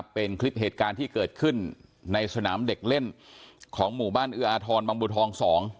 เป็นคลิปเหตุการณ์ที่เกิดขึ้นในสนามเด็กเล่นของหมู่บ้านเอื้ออาทรบางบัวทอง๒